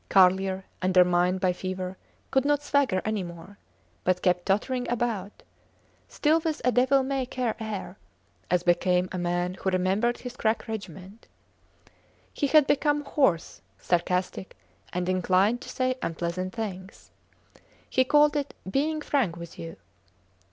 Carlier, undermined by fever, could not swagger any more, but kept tottering about, still with a devil may care air, as became a man who remembered his crack regiment. He had become hoarse, sarcastic, and inclined to say unpleasant things. He called it being frank with you.